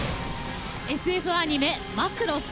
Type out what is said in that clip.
ＳＦアニメ「マクロス」。